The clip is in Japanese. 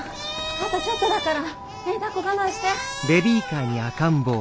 あとちょっとだからだっこ我慢して。